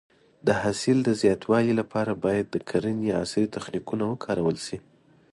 د حاصل د زیاتوالي لپاره باید د کرنې عصري تخنیکونه وکارول شي.